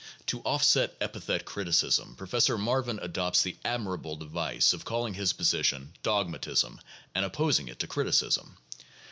To offset epithet criticism, Professor Marvin adopts the admirable device of calling his position dogmatism and opposing it to criticism.